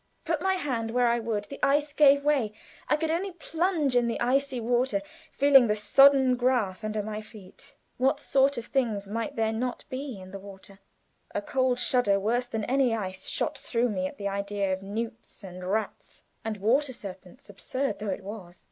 Put my hand where I would the ice gave way. I could only plunge in the icy water, feeling the sodden grass under my feet. What sort of things might there not be in that water? A cold shudder, worse than any ice, shot through me at the idea of newts and rats and water serpents, absurd though it was.